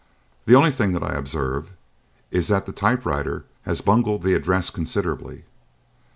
The only thing that I observe is that the typewriter has bungled the address considerably.